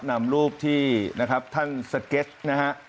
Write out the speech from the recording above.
นำรูปที่นะครับท่านสเก็ตนะฮะ